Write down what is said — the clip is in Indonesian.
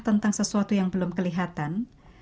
tentang sesuatu yang belum kelihatan